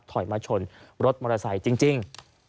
ถอยมาชนรถมอเตอร์ไซค์จริง